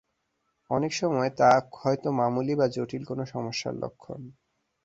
অনেক সময় তা হয়তো মামুলি বা জটিল কোনো সমস্যার লক্ষণ।